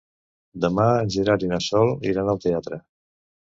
Demà en Gerard i na Sol iran al teatre.